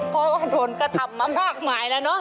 เพราะว่าโดนกระทำมามากมายแล้วเนอะ